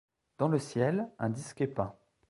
Dans le ciel, un disque est peint.